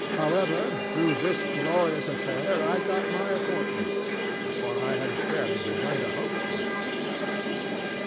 However, through this glorious affair I got my appointment, before I had fairly begun to hope for it.